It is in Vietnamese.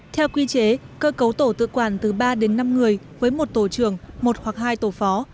theo quy chế cơ cấu tổ tự quản từ ba đến năm người với một tổ trưởng một hoặc hai tổ phó